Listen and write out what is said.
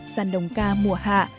giàn đồng ca mùa hạ